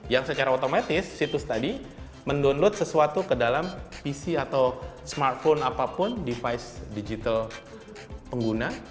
yang secara otomatis situs tadi mendownload sesuatu ke dalam pc atau smartphone apapun device digital pengguna